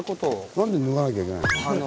何で脱がなきゃいけないの？